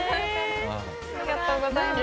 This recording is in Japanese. ありがとうございます。